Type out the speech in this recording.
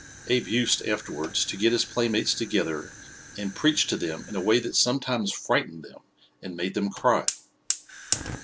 Abe used afterward to get his playmates together and preach to them in a way that sometimes frightened them and made them cry.